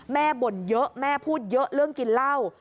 บ่นเยอะแม่พูดเยอะเรื่องกินเหล้า